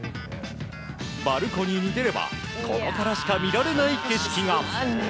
バルコニーに出ればここからしか見られない景色が。